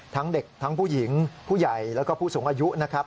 ทั้งเด็กทั้งผู้หญิงผู้ใหญ่แล้วก็ผู้สูงอายุนะครับ